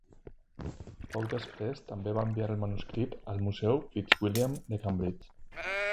Poc després, també va enviar el manuscrit al Museu Fitzwilliam de Cambridge.